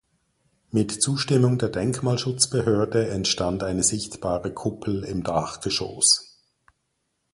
Mit Zustimmung der Denkmalschutzbehörde entstand eine sichtbare Kuppel im Dachgeschoss.